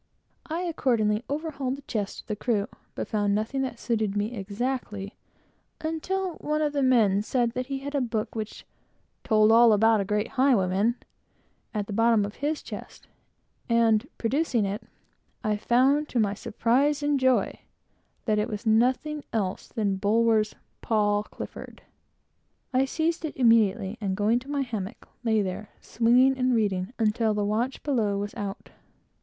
I accordingly overhauled the chests of the crew, but found nothing that suited me exactly, until one of the men said he had a book which "told all about a great highway man," at the bottom of his chest, and producing it, I found, to my surprise and joy, that it was nothing else than Bulwer's Paul Clifford. This, I seized immediately, and going to my hammock, lay there, swinging and reading, until the watch was out.